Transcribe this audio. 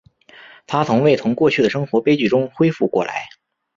她从未从过去的生活悲剧中恢复过来。